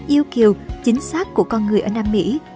yêu kiều chính xác của con người ở nam mỹ